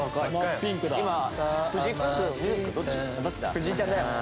「藤井ちゃんだよ！